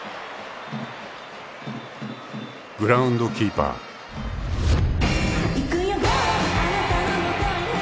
［グラウンドキーパー］「いくよゴーあなたの元へ走っていく」